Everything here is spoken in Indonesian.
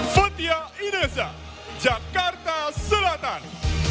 fathia inesa jakarta selatan